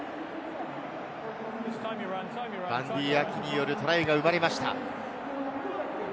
バンディー・アキによるトライが生まれました。